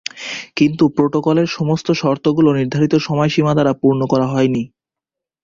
কিন্তু প্রোটোকলের সমস্ত শর্তগুলো নির্ধারিত সময়সীমা দ্বারা পূরণ করা হয়নি।